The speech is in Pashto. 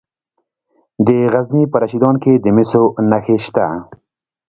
د غزني په رشیدان کې د مسو نښې شته.